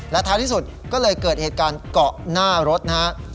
ท้ายที่สุดก็เลยเกิดเหตุการณ์เกาะหน้ารถนะฮะ